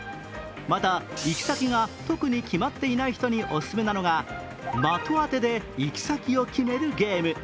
また行き先が特に決まっていない人にお勧めなのが的当てで行き先を決めるゲーム。